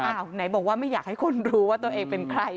ไหนบอกว่าไม่อยากให้คนรู้ว่าตัวเองเป็นใคร